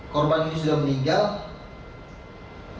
korban ini sudah meninggal